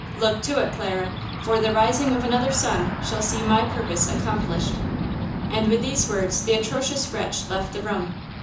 Look to it, Clara, for the rising of another sun shall see my purpose accomplished!" And with these words the atrocious wretch left the room.